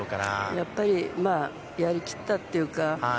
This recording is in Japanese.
やっぱりやりきったというか。